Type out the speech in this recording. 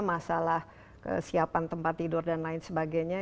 masalah kesiapan tempat tidur dan lain sebagainya